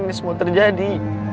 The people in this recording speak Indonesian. ini semua terjadi